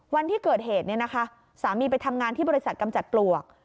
วันที่เกิดเหตุเนี่ยนะคะสามีไปทำงานที่บริษัทกำจัดปลวก